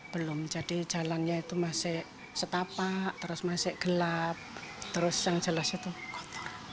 belum jadi jalannya itu masih setapak terus masih gelap terus yang jelas itu kotor